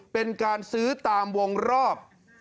เป็นการซื้อตามวงรอบ